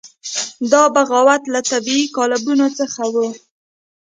دا بغاوت له طبیعي قالبونو څخه وو.